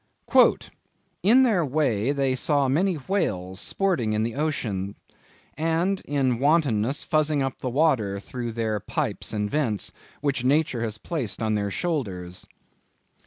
"In their way they saw many whales sporting in the ocean, and in wantonness fuzzing up the water through their pipes and vents, which nature has placed on their shoulders."